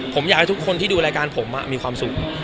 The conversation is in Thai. ผมอยากให้ทุกคนที่ดูรายการผมมีความสุข